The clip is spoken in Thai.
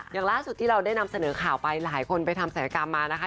อย่างล่าสุดที่เราได้นำเสนอข่าวไปหลายคนไปทำศัยกรรมมานะคะ